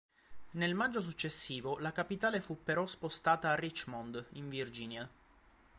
Nel maggio successivo la capitale fu però spostata a Richmond, in Virginia.